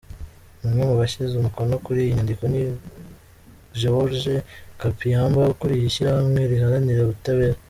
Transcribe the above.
Umwe mu bashyize umukono kuri iyi nyandiko ni Georges Kapiamba, ukuriye ishyirahamwe riharanira ubutabera.